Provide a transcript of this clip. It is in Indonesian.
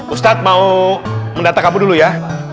ustad mau mendatang kamu dulu ya